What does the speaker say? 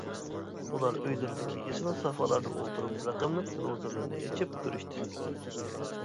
ئۇلار ئۆيلىرىدىكى ئېسىل سافالاردا ئولتۇرۇپ رەقەملىك تېلېۋىزورلىرىنى ئېچىپ كۆرۈشتى.